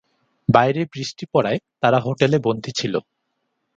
বাইরে বৃষ্টি পড়ায় তারা হোটেলে বন্দী ছিলো।